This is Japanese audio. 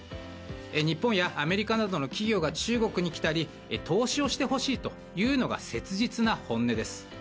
日本やアメリカなどの企業が中国に来たり投資をしてほしいというのが切実な本音です。